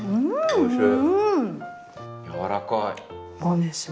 おいしい！